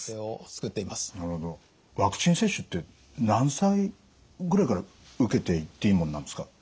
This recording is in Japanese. ワクチン接種って何歳ぐらいから受けていっていいもんなんですか？